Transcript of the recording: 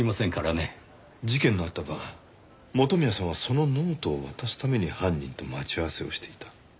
事件のあった晩元宮さんはそのノートを渡すために犯人と待ち合わせをしていた。